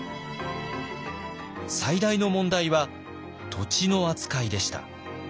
最大の問題は土地の扱いでした。